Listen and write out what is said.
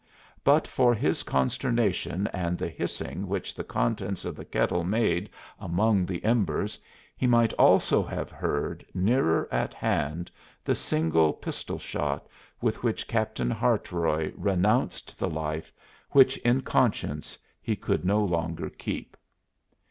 But for his consternation and the hissing which the contents of the kettle made among the embers, he might also have heard, nearer at hand, the single pistol shot with which Captain Hartroy renounced the life which in conscience he could no longer keep.